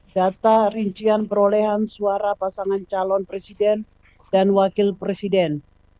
data rincian perolehan suara pasangan calon presiden dan wakil presiden